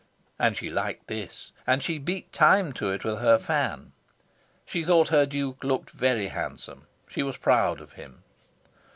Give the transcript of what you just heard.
And she liked this; and she beat time to it with her fan. She thought her Duke looked very handsome. She was proud of him.